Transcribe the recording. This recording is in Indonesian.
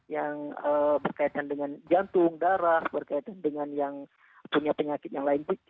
yang berkaitan dengan jantung darah berkaitan dengan yang punya penyakit yang lain